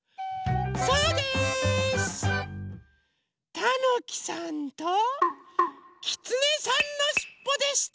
たぬきさんときつねさんのしっぽでした！